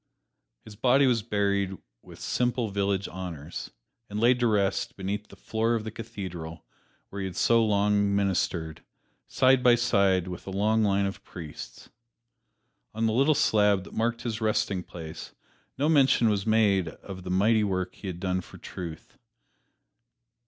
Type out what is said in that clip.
His body was buried with simple village honors, and laid to rest beneath the floor of the Cathedral where he had so long ministered, side by side with a long line of priests. On the little slab that marked his resting place no mention was made of the mighty work he had done for truth.